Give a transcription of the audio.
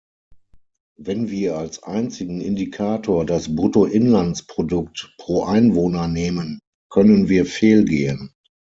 Wenn wir als einzigen Indikator das Bruttoinlandsprodukt pro Einwohner nehmen, können wir fehlgehen.